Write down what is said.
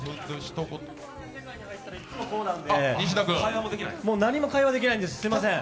いつもこうなんで、何も会話できないんです、すみません。